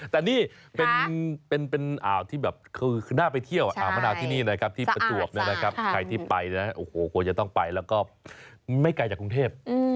แต่นี่เป็นอ่าวที่แบบคือน่าไปเที่ยวอ่าวมะนาวที่นี่นะครับที่ประจวบเนี่ยนะครับใครที่ไปนะโอ้โหควรจะต้องไปแล้วก็ไม่ไกลจากกรุงเทพ